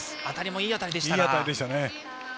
いい当たりでしたね。